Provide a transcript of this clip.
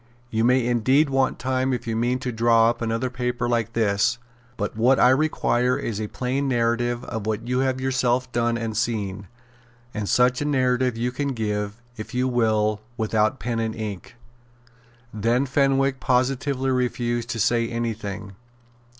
You may indeed want time if you mean to draw up another paper like this. But what I require is a plain narrative of what you have yourself done and seen; and such a narrative you can give, if you will, without pen and ink." Then Fenwick positively refused to say any thing.